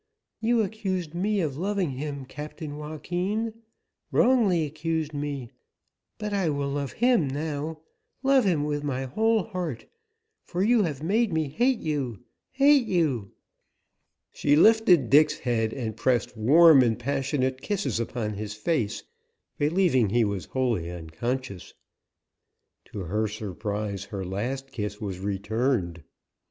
You accused me of loving him, Captain Joaquin, wrongly accused me, but I will love him now, love him with my whole heart, for you have made me hate you hate you!" She lifted Dick's head and pressed warm and passionate kisses upon his face, believing he was wholly unconscious. To her surprise her last kiss was returned.